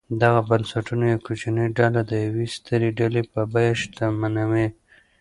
دغه بنسټونه یوه کوچنۍ ډله د یوې سترې ډلې په بیه شتمنوي.